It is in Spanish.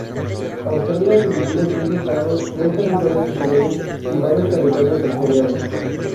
Australia se divide en seis estados, dos territorios interiores y varios territorios exteriores.